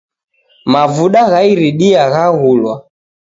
Mavuda gha iridia ghaghulwa